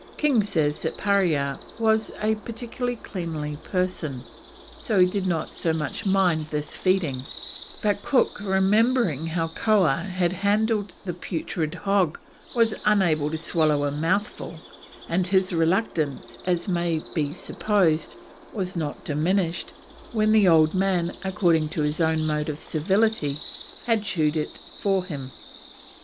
King says that Parea was a particularly cleanly person, so he did not so much mind this feeding, but Cook, remembering how Koah had handled the putrid hog, was unable to swallow a mouthful, "and his reluctance, as may be supposed, was not diminished, when the old man, according to his own mode of civility, had chewed it for him."